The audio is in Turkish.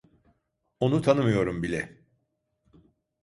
Onu tanımıyorum bile.